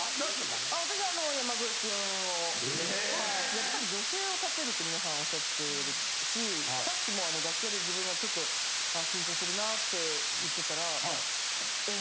やっぱり女性を立てるってみんなおっしゃってるしさっきも楽屋で自分がちょっと「ああ緊張するなあ」って言ってたら。